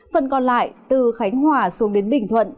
phần còn lại từ khánh hòa xuống đến bình thuận